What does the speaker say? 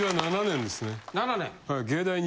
７年。